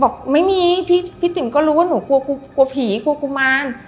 บอกไม่มีพี่ติ๋มก็รู้ว่าหนูกลัวกลัวผีกลัวกุมาร